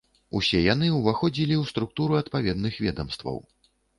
Усе яны ўваходзілі ў структуру адпаведных ведамстваў.